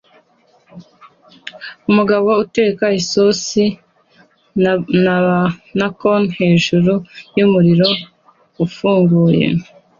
Umugabo uteka sosiso na bacon hejuru yumuriro ufunguye